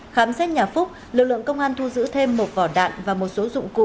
khám xét nhà phúc lực lượng công an thu giữ thêm một vỏ đạn và một số dụng cụ